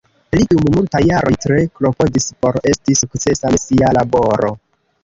Li dum multaj jaroj tre klopodis por esti sukcesa je sia laboro.